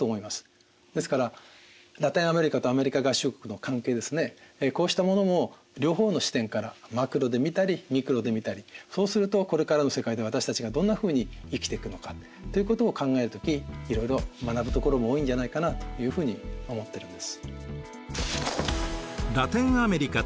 ですからラテンアメリカとアメリカ合衆国の関係ですねこうしたものも両方の視点からマクロで見たりミクロで見たりそうするとこれからの世界で私たちがどんなふうに生きてくのかということを考える時いろいろ学ぶところも多いんじゃないかなというふうに思ってるんです。